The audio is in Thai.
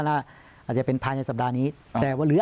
วันนี้หรือ